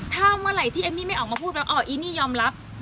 ถ้าเมื่อไหร่ที่เอมมี่ไม่ออกมาพูดแบบอ๋ออีนี่ยอมรับ